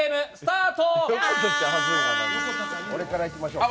俺からいきましょうか。